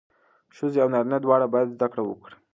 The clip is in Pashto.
ښځې او نارینه دواړه باید زدهکړه وکړي.